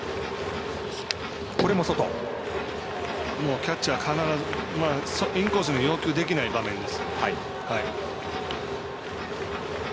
キャッチャーインコースに要求できない場面です。